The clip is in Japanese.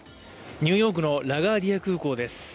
ニューヨークのラガーディア空港です。